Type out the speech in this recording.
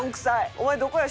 お前どこや？